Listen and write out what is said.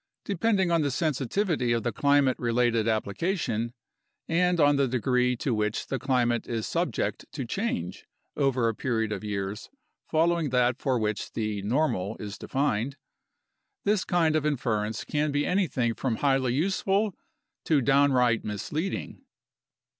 Depending on the sensitivity of the climate related applica tion (and on the degree to which the climate is subject to change over a period of years following that for which the "normal" is defined), this kind of inference can be anything from highly useful to downright misleading.